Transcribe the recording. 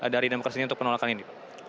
dari demokrasinya untuk penolakan ini